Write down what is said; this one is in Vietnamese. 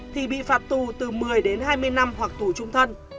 thì bị phạt tù từ một mươi đến hai mươi năm hoặc tù trung thân